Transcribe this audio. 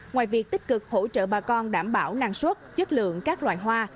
ngoài việc tích cực hỗ trợ bà con đảm bảo năng suất chất lượng các loài hoa